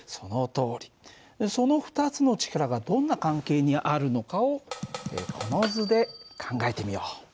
その２つの力がどんな関係にあるのかをこの図で考えてみよう。